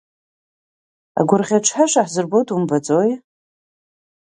Агәырӷьаҿҳәаша ҳзырбо думбаӡои?